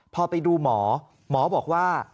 พอไปดูหมอหมอบอกว่า